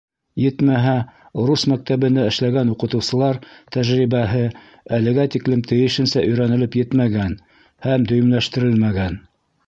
Етмәһә, рус мәктәбендә эшләгән уҡытыусылар тәжрибәһе әлегә тиклем тейешенсә өйрәнелеп етмәгән һәм дөйөмләштерелмәгән.